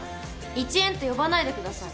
・イチエンって呼ばないでください。